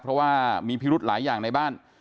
เพราะว่ามีพิรุธหลายอย่างในบ้าน